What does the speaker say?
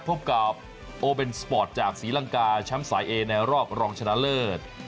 พบกับโอเบนสปอร์ตจากศรีลังกาแชมป์สายเอในรอบรองชนะเลิศ